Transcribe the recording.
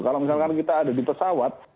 kalau misalkan kita ada di pesawat